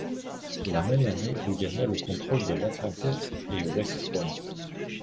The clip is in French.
La même année, il gagna le contrôle de l'Atlanta & West point.